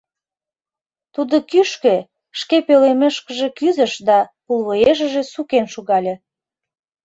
Тудо кӱшкӧ, шке пӧлемышкыже кӱзыш да пулвуешыже сукен шогале.